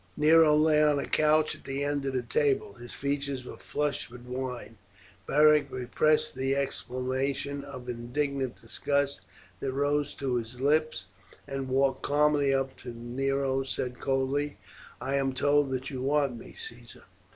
Nero lay on a couch at the end of the table; his features were flushed with wine. Beric repressed the exclamation of indignant disgust that rose to his lips, and walking calmly up to Nero said coldly, "I am told that you want me, Caesar."